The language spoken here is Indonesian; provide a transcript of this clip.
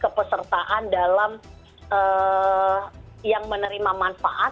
kepesertaan dalam yang menerima manfaat